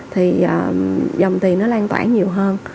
thì dòng tiền nó lan tỏa nhiều hơn